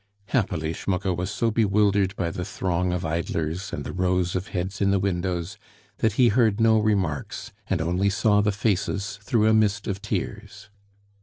Happily, Schmucke was so bewildered by the throng of idlers and the rows of heads in the windows, that he heard no remarks and only saw the faces through a mist of tears.